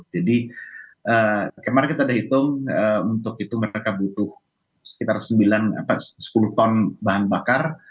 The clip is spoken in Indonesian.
jadi kemarin kita udah hitung untuk itu mereka butuh sekitar sembilan sepuluh ton bahan bakar